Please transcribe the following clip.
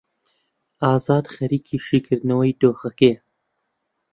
ئازاد خەریکی شیکردنەوەی دۆخەکەیە.